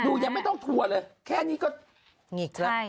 ยังไม่ต้องทัวร์เลยแค่นี้ก็หงิกครับ